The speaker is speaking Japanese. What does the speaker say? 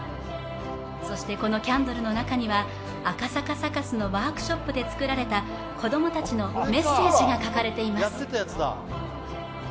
そして、このキャンドルの中には赤坂サカスのワークショップで作られた子供たちのメッセージが書かれています。